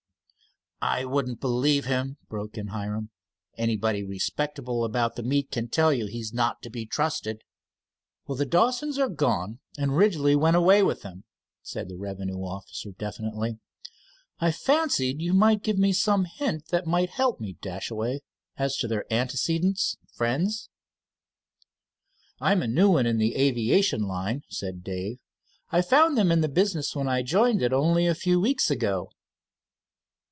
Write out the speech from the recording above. "I wouldn't believe him," broke in Hiram. "Anybody respectable about the meet can tell you that he is not to be trusted." "Well, the Dawsons are gone and Ridgely went away with them," said the revenue officer definitely. "I fancied you might give me some hint that might help me, Dashaway, as to their antecedents, friends." "I'm a new one in the aviation line," said Dave. "I found them in the business when I joined it, only a few weeks ago."